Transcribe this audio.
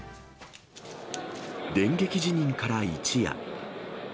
電撃辞任から一夜。